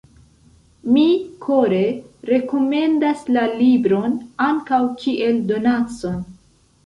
Mi kore rekomendas la libron, ankaŭ kiel donacon!